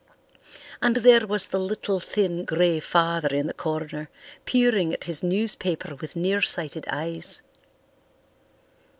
And there was the little, thin, grey father in the corner, peering at his newspaper with nearsighted eyes.